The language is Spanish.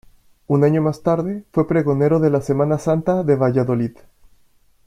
Un año más tarde fue pregonero de la Semana Santa de Valladolid.